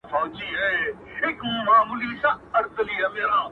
له امیده یې د زړه خونه خالي سوه؛